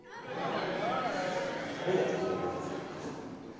軽いやつだけでいいよ。